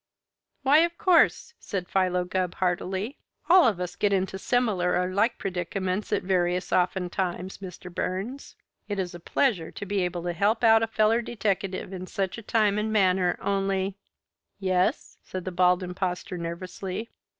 "Why, of course!" said Philo Gubb heartily. "All of us get into similar or like predicaments at various often times, Mr. Burns. It is a pleasure to be able to help out a feller deteckative in such a time and manner. Only " "Yes?" said the Bald Impostor nervously.